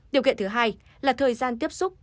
điều kiện thứ hai là thời gian tiếp xúc